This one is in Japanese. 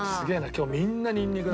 今日みんなニンニクだね。